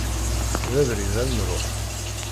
D abrid ad nruḥ.